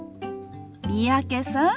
三宅さん。